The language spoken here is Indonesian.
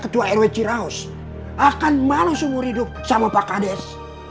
terus akan malu seumur hidup sama pak kades